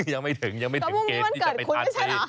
ยังไม่ถึงเกณฑ์ที่จะไปทานฟรี